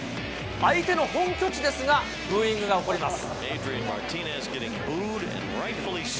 相手の本拠地ですが、ブーイングが起こります。